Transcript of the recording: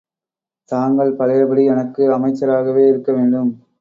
தாங்கள் பழையபடி எனக்கு அமைச்சராகவே இருக்க வேண்டும்.